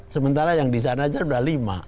sementara yang di sana aja sudah lima